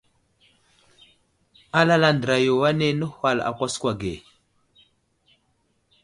Alal andra yo anay nəhwal a kwaskwa ge.